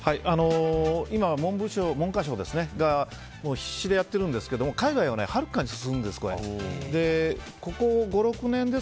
今は文科省が必死でやっているんですけども海外ははるかに進んでいるんです。